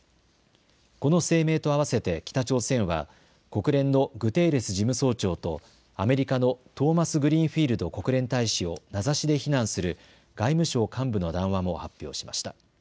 この声明とあわせて北朝鮮は国連のグテーレス事務総長とアメリカのトーマスグリーンフィールド国連大使を名指しで非難する外務省幹部の談話も発表しました。